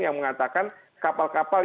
yang mengatakan kapal kapal